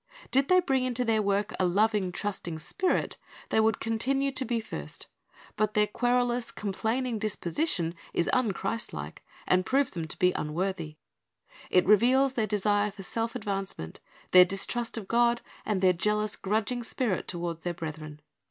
Did they bring into their work a loving, trusting spirit, they would continue to be first; but their querulous, complaining disposition is unchristlike, and proves them to be untrustworthy. It reveals their desire for self advancement, their distrust of God, and their jealous, grudging spirit toward their brethren.